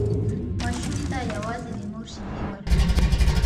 ماشوم ته یوازې د مور شیدې ورکړئ.